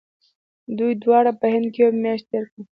دوی دواړو په هند کې یوه میاشت تېره کړه.